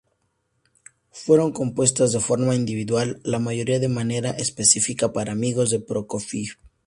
Fueron compuestas de forma individual, la mayoría de manera específica para amigos de Prokófiev.